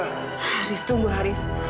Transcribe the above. haris tunggu haris